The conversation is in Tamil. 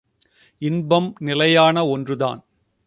இன்பம் நிலையான ஒன்றுதான்.